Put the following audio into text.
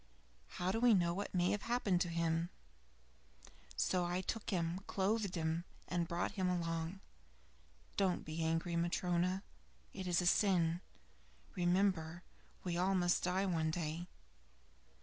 How do we know what may have happened to him? So I took him, clothed him, and brought him along. Don't be so angry, Matryona. It is a sin. Remember, we all must die one day."